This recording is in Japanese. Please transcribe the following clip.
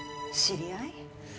知り合い？